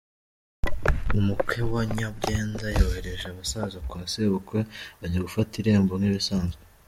Umukwe wa Nyabyenda yohereje abasaza kwa sebukwe bajya gufata irembo nk’ ibisanzwe.